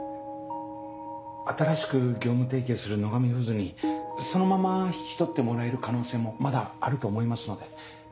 新しく業務提携する野上フーズにそのまま引き取ってもらえる可能性もまだあると思いますので。